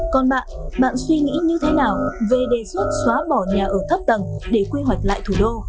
còn bạn bạn suy nghĩ như thế nào về đề xuất xóa bỏ nhà ở thấp tầng để quy hoạch lại thủ đô